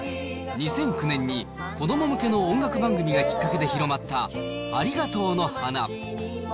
２００９年に子ども向けの音楽番組がきっかけで広まった、ありがとうの花。